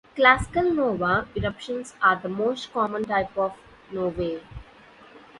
Classical nova eruptions are the most common type of novae.